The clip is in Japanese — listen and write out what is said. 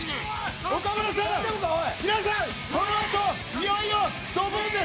岡村さん、皆さん、このあと、いよいよ、ドボンです。